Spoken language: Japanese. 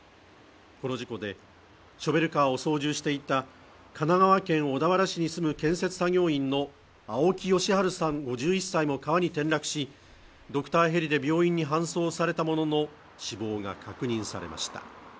この事故でショベルカーを操縦していた神奈川県小田原市に住む建設作業員の青木良治さん５１歳も川に転落しドクターヘリで病院に搬送されたものの死亡が確認されました。